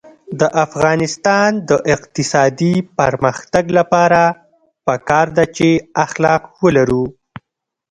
د افغانستان د اقتصادي پرمختګ لپاره پکار ده چې اخلاق ولرو.